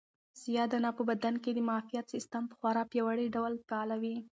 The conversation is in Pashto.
سیاه دانه په بدن کې د معافیت سیسټم په خورا پیاوړي ډول فعالوي.